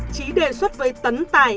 chí đề xuất với tấn tài